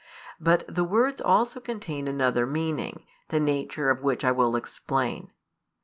But the words also contain another meaning, the nature of which I will explain.